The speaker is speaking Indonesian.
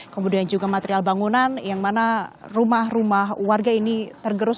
kemudian juga material bangunan yang mana rumah rumah warga ini tergerus